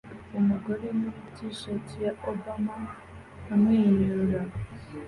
Umugore muri t-shirt ya Obama amwenyura